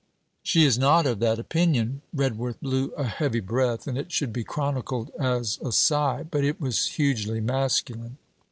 'She is not of that opinion.' Redworth blew a heavy breath; and it should be chronicled as a sigh; but it was hugely masculine.